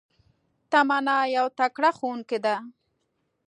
تمنا يو تکړه ښوونکي ده